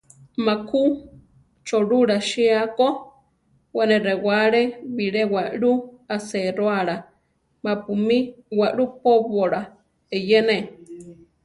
Má ku Cholula sía ko, we ne rewále bilé waʼlú aséroala ma-pu mí waʼlú póbola eyéne.